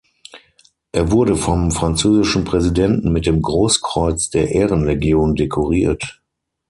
Er wurde vom französischen Präsidenten mit dem Großkreuz der Ehrenlegion dekoriert.